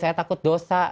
saya takut dosa